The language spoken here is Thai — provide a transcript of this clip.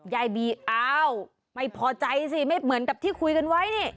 ยายบีอ้าวไม่พอใจสิไม่เหมือนกับที่คุยกันไว้นี่